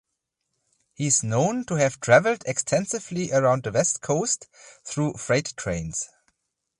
He is known to have traveled extensively around the west coast through freight trains.